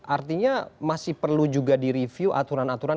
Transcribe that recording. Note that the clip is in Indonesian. artinya masih perlu juga di review aturan aturan